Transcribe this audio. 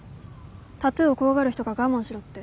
タトゥーを怖がる人が我慢しろって？